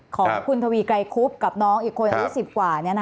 ของคุณทวีกรายคุพกับน้องอีกคนอันตรีสิบกว่านี้นะคะ